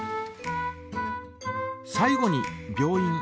最後に病院。